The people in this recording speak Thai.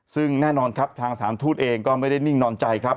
ซึ่งแน่นอนครับทางสถานทูตเองก็ไม่ได้นิ่งนอนใจครับ